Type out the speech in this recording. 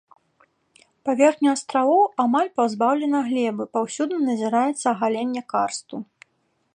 Паверхня астравоў амаль пазбаўлена глебы, паўсюдна назіраецца агаленне карсту.